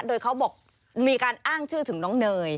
โดยเขาบอกมีการอ้างชื่อถึงน้องเนย